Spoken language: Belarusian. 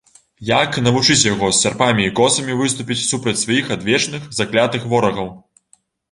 Як навучыць яго з сярпамі і косамі выступіць супраць сваіх адвечных, заклятых ворагаў?